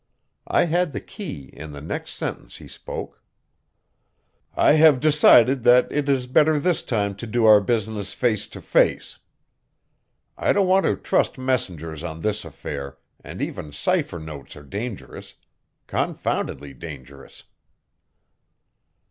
I had the key in the next sentence he spoke. "I have decided that it is better this time to do our business face to face. I don't want to trust messengers on this affair, and even cipher notes are dangerous, confoundedly dangerous."